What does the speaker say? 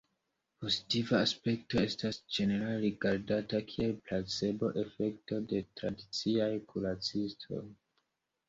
Pozitiva aspekto estas ĝenerale rigardata kiel 'placebo'-efekto de tradiciaj kuracistoj.